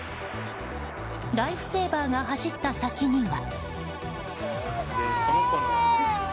ライフセーバーが走った先には。